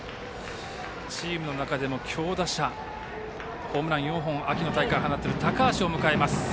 チームの中でも強打者ホームラン４本を秋の大会で放っている、高橋を迎えます。